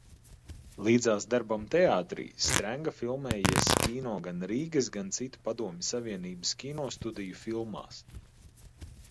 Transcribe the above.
Līdzās darbam teātrī, Strenga filmējies kino gan Rīgas, gan citu Padomju Savienības kinostudiju filmās.